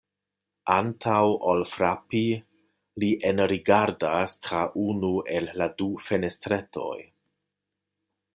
Antaŭ ol frapi, li enrigardas tra unu el la du fenestretoj.